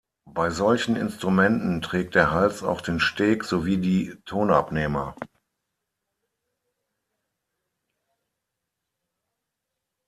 Bei solchen Instrumenten trägt der Hals auch den Steg sowie die Tonabnehmer.